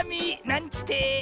なんちて。